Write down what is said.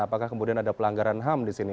apakah kemudian ada pelanggaran ham di sini